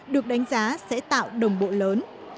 được đánh giá sẽ tạo đồng bộ lớn